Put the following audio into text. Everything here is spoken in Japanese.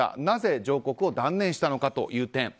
なぜ上告を断念したのかという点。